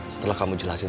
setelah kamu jelasin